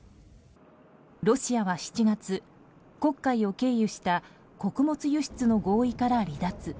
ロシアは７月、黒海を経由した穀物輸出の合意から離脱。